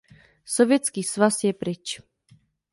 Sovětský svaz je pryč.